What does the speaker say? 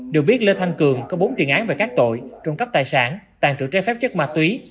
điều biết lê thanh cường có bốn tiền án về các tội trung cấp tài sản tăng trữ trái phép chất ma túy